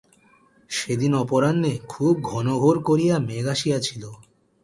সেদিন অপরাহ্নে খুব ঘনঘোর করিয়া মেঘ আসিয়াছিল।